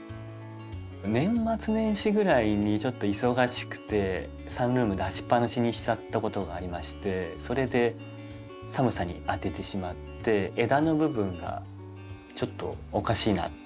年末年始ぐらいにちょっと忙しくてサンルーム出しっぱなしにしちゃったことがありましてそれで寒さに当ててしまって枝の部分がちょっとおかしいなって気が付いて。